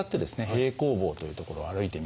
平行棒という所を歩いてみたり。